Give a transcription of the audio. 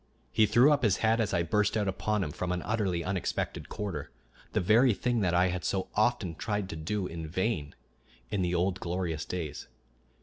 He threw up his head as I burst out upon him from an utterly unexpected quarter the very thing that I had so often tried to do, in vain, in the old glorious days.